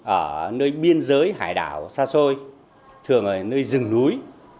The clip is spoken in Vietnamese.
ở nơi biên giới hải đảo xa xôi thường ở nơi rừng núi